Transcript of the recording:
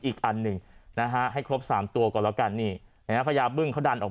อีกอันหนึ่งนะฮะให้ครบสามตัวก่อนแล้วกันนี่นะฮะพญาบึ้งเขาดันออก